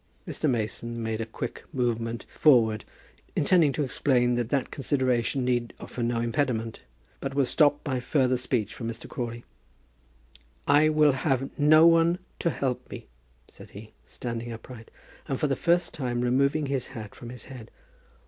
Mr. Mason made a quick movement forward, intending to explain that that consideration need offer no impediment, but was stopped by further speech from Mr. Crawley. "I will have no one to help me," said he, standing upright, and for the first time removing his hat from his head.